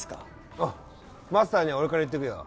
ああマスターには俺から言っとくよ